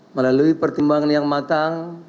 melalui pertimbangan yang matang